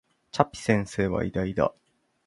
チャピ先生は偉大だ